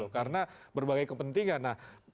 karena berbagai kepentingan